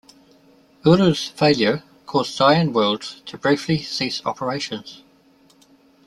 Uru's failure caused Cyan Worlds to briefly cease operations.